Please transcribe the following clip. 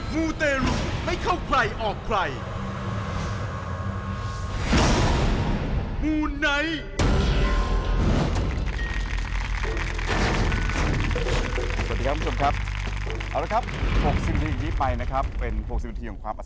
มูไนท์